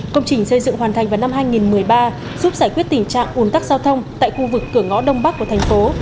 công trình xây dựng hoàn thành vào năm hai nghìn một mươi ba giúp giải quyết tình trạng ồn tắc giao thông tại khu vực cửa ngõ đông bắc của thành phố